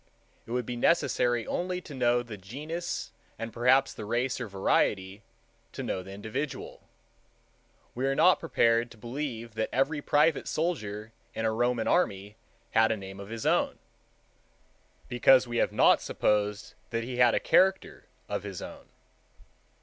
It would be necessary only to know the genus and perhaps the race or variety, to know the individual. We are not prepared to believe that every private soldier in a Roman army had a name of his own—because we have not supposed that he had a character of his own.